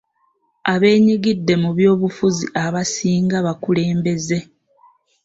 Abeenyigidde mu by'obufuzi abasinga bakulembeze.